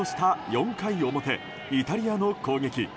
４回表イタリアの攻撃。